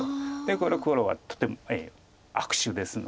この黒はとても悪手ですので。